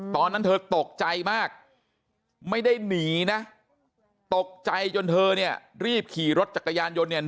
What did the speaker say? ตอนนั้นเธอตกใจมากไม่ได้หนีนะตกใจจนเธอเนี่ยรีบขี่รถจักรยานยนต์เนี่ย